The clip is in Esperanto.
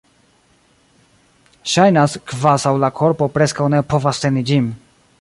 Ŝajnas, kvazaŭ la korpo preskaŭ ne povas teni ĝin.